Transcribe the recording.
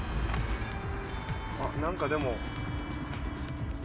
あっなんかでも。